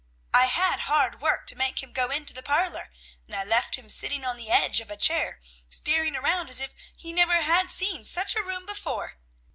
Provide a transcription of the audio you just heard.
I had hard work to make him go into the parlor, and I left him sitting on the edge of a chair, staring around as if he never had seen such a room before."